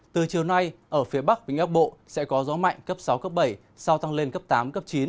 từ chiều nay ở phía bắc vĩnh bắc bộ sẽ có gió mạnh cấp sáu cấp bảy sau tăng lên cấp tám cấp chín